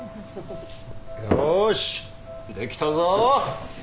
よーしできたぞ。